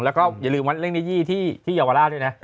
แล้วก็อย่าลืมว่าเลขนี้ที่เยาวราชด้วยนะ